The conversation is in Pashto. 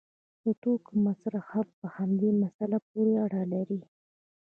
د توکو مصرف هم په همدې مسله پورې اړه لري.